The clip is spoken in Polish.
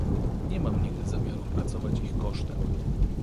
"Nie mam nigdy zamiaru pracować ich kosztem."